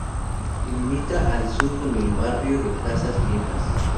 Limita al sur con el barrio de Casas Viejas.